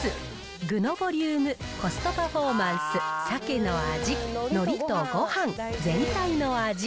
具のボリューム、コストパフォーマンス、サケの味、のりとごはん、全体の味。